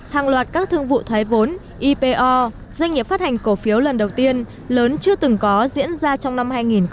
hàng loạt các thương vụ thoái vốn ipo doanh nghiệp phát hành cổ phiếu lần đầu tiên lớn chưa từng có diễn ra trong năm hai nghìn một mươi tám